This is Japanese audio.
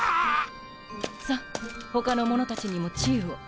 さあ他の者たちにも治癒を。